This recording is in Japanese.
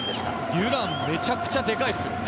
デュラン、めちゃくちゃデカいですよ。